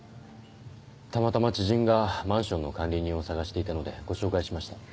たまたま知人がマンションの管理人を探していたのでご紹介しました。